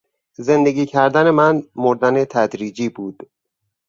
زندگی کردن من مردن تدریجی بود...